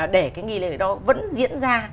để cái nghi lễ đó vẫn diễn ra